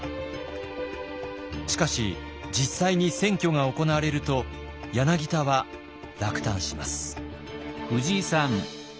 しかし実際に選挙が行われると柳田は落胆します。